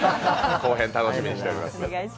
後編楽しみにしております。